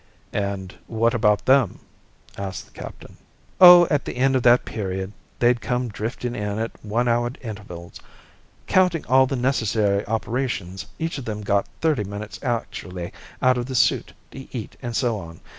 "And what about them?" asked the captain. "Oh, at the end of that period, they'd come drifting in at one hour intervals. Counting all the necessary operations, each of them got thirty minutes actually out of the suit to eat and so on.